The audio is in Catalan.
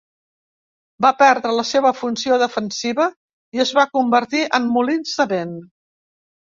Van perdre la seva funció defensiva i es van convertir en molins de vent.